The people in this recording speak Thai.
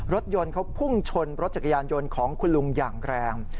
รถยนต์เขาพุ่งชนรถจักรยานยนต์ของคุณลุงอย่างแรง